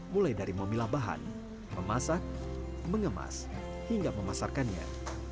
mulai dari memilah bahan memasak mengemas hingga memasarkannya